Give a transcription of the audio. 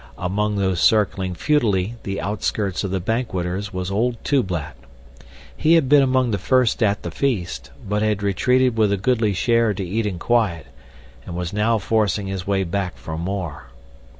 Among those circling futilely the outskirts of the banqueters was old Tublat. He had been among the first at the feast, but had retreated with a goodly share to eat in quiet, and was now forcing his way back for more.